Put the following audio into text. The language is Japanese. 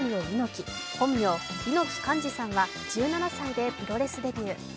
猪木、本名、猪木寛至さんは１７歳でプロレスデビュー。